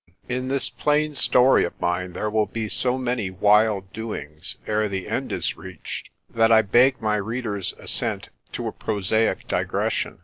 IN this plain story of mine there will be so many wild do ings ere the end is reached that I beg my reader's assent to a prosaic digression.